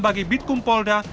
bagi bidkum polda